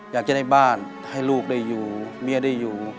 อยากจะได้บ้านให้ลูกได้อยู่เมียได้อยู่